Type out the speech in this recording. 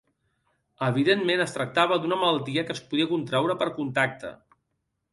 Evidentment, es tractava d'una malaltia que es podia contraure per contacte.